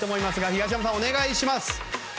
東山さん、お願いします。